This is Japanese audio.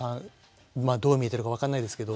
まあどう見えてるか分かんないですけど。